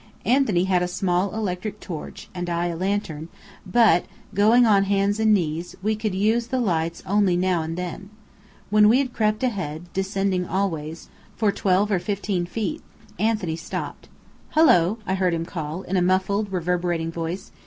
Anthony had a small electric torch, and I a lantern, but going on hands and knees, we could use the lights only now and then. When we had crept ahead (descending always) for twelve or fifteen feet, Anthony stopped. "Hullo!" I heard him call, in a muffled, reverberating voice.